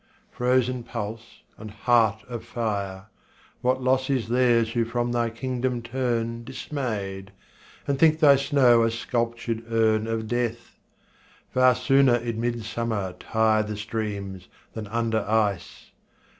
frozen pulse and heart of fire, What loss is theirs who from thy kingdom turn Dismayed, and think thy snow a sculptured urn Of death! Far sooner in midsummer tire The streams than under ice.